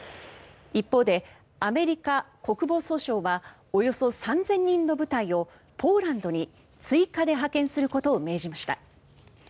一方でアメリカ国防総省はおよそ３０００人の部隊をポーランドに追加で派遣することを命じました。